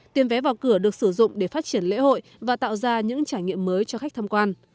tiền vé vào cửa được sử dụng để phát triển lễ hội và tạo ra những trải nghiệm mới cho khách tham quan